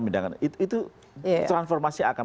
itu transformasi akan